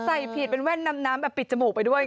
ใส่ผิดเป็นแว่นดำน้ำแบบปิดจมูกไปด้วย